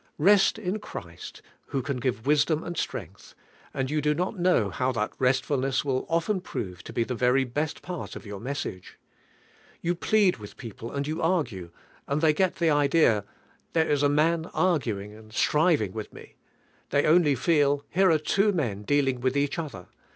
Best in Christ, who can give wisdom and strength, and you do not know bow that restfutness will often prove to be the very best part of yonr message. You plead Willi people and yon argue, and they get the idea: There is a man argu THYME HEALING. 205 ing and striving with me. They only feel: Here are two men dealing with each other.